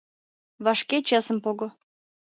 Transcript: Вашке чесым пого!